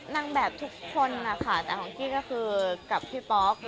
แต่ของพี่ก็คือกับพี่ป๊อก